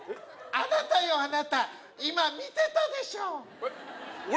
あなたよあなた今見てたでしょえっ俺？